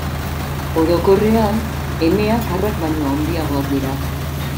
Orokorrean, emeak arrak baino handiagoak dira.